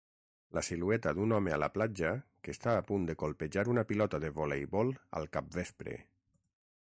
La silueta d'un home a la platja que està a punt de colpejar una pilota de voleibol al capvespre.